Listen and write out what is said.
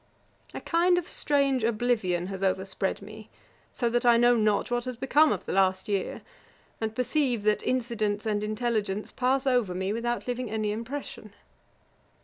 A kind of strange oblivion has overspread me, so that I know not what has become of the last year; and perceive that incidents and intelligence pass over me, without leaving any impression.'